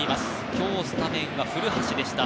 今日スタメンは古橋でした。